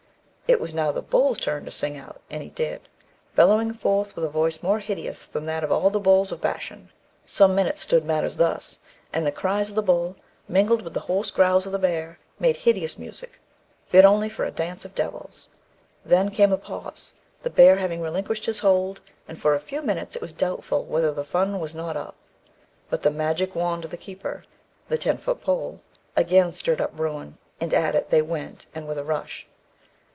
It was now the bull's turn to 'sing out,' and he did it, bellowing forth with a voice more hideous than that of all the bulls of Bashan. Some minutes stood matters thus, and the cries of the bull, mingled with the hoarse growls of the bear, made hideous music, fit only for a dance of devils. Then came a pause (the bear having relinquished his hold), and for a few minutes it was doubtful whether the fun was not up. But the magic wand of the keeper (the ten foot pole) again stirred up bruin, and at it they went, and with a rush.